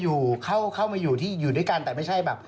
อยู่เข้ามาอยู่ที่อยู่ด้วยกันแต่ไม่ใช่แบบ